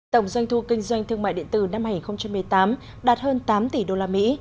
tổng doanh thu kinh doanh thương mại điện tử năm hai nghìn một mươi tám đạt hơn tám tỷ đô la mỹ